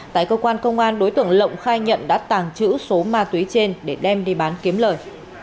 tại cơ quan công an đối tượng lộng khai nhận đã tàng trữ số ma túy trên để đem đi bán kiếm lời